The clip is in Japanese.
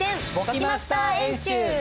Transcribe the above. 簿記マスター演習！